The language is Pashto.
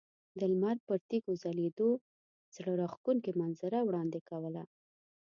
د لمر پر تیږو ځلیدو زړه راښکونکې منظره وړاندې کوله.